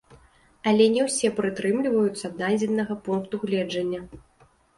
Але не ўсе прытрымліваюцца дадзенага пункту гледжання.